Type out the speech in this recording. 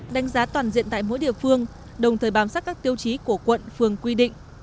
đánh giá toàn diện tại mỗi địa phương đồng thời bám sát các tiêu chí của quận phường quy định